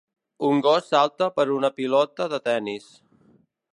Un gos salta per una pilota de tenis.